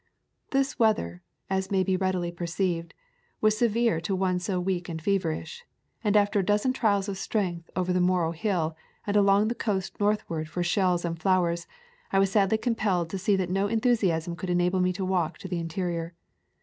This weather, as may readily be perceived, was severe to one so weak and feverish, and after a dozen trials of strength over the Morro Hill and along the coast northward for shells and flowers, I was sadly compelled to see that no enthusiasm could enable me to walk to the interior.